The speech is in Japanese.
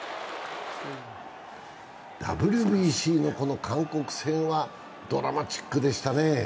ＷＢＣの韓国戦はドラマチックでしたね。